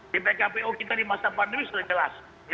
di pkpu kita di masa pandemi sudah jelas